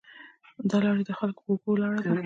دا لړۍ د خلکو په اوږو ولاړه ده.